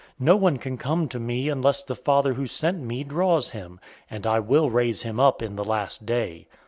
006:044 No one can come to me unless the Father who sent me draws him, and I will raise him up in the last day.